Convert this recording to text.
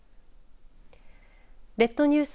列島ニュース